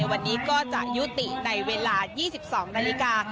วันนี้ก็จะยุติในเวลา๒๒นาฬิกา